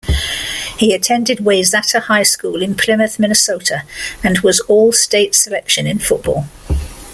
He attended Wayzata High School in Plymouth, Minnesota, and was all-state selection in football.